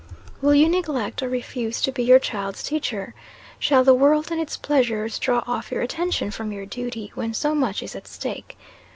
Will you neglect or refuse to be your child's teacher? Shall the world and its pleasures draw off your attention from your duty when so much is at stake?